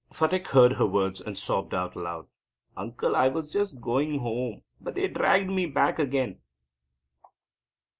Phatik heard her words, and sobbed out loud: "Uncle, I was just going home; but they dragged me back again."